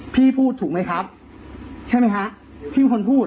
พี่พูดถูกไหมครับใช่ไหมฮะพี่เป็นคนพูด